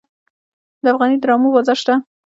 د افغاني ډرامو بازار شته؟